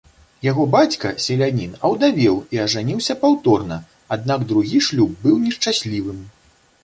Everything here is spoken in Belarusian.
Яго бацька, селянін, аўдавеў і ажаніўся паўторна, аднак другі шлюб быў нешчаслівым.